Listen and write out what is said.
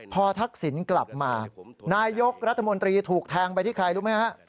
พอทักษิณกลับมานายกรัฐมนตรีถูกแทงไปที่ใครรู้ไหมฮะ